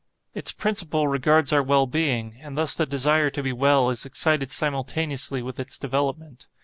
Its principle regards our well being; and thus the desire to be well is excited simultaneously with its development.